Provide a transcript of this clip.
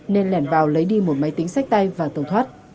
nên lẻn vào lấy đi một máy tính sách tay và tàu thoát